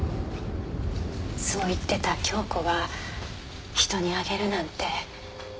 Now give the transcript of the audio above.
そう言ってた京子が人にあげるなんて。